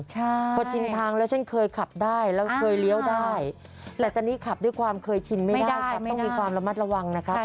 ใช่พอชินทางแล้วฉันเคยขับได้แล้วเคยเลี้ยวได้แต่ตอนนี้ขับด้วยความเคยชินไม่ได้ครับต้องมีความระมัดระวังนะครับ